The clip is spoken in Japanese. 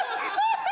ハハハ！